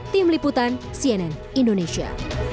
tim liputan cnn indonesia